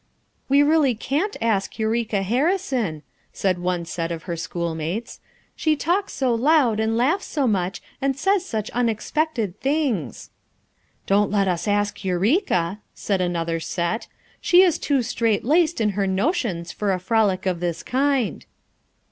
"We really can't ask Eureka Harrison," said one set of her schoolmates; "she talks so loud and laughs so much and says such unexpected things." "Don't let ns ask Eureka," said another set; "she is too strait laced in her notions for a frolic of this kind."